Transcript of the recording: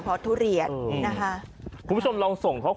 พี่ทำยังไงฮะ